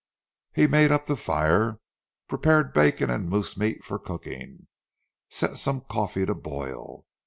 He made up the fire, prepared bacon and moose meat for cooking, set some coffee to boil.